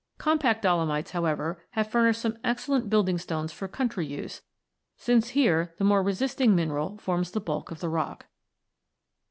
Compact dolomites, however, have furnished some excellent building stones for country use, since here the more resisting mineral forms the bulk of the rock.